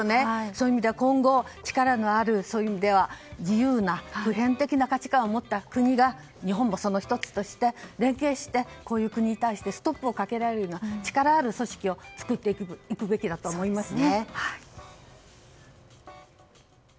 そういう意味では今後、力のある自由な普遍的な価値観を持った国が日本もその１つとして連携していこういう国に対してストップをかけられるような力ある組織を作っていくべきだと思います。